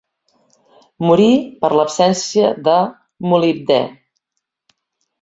Morir per l'absència de molibdè.